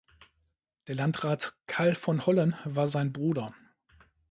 Der Landrat Karl von Hollen war sein Bruder.